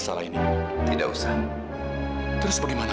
saya cabut urutan saya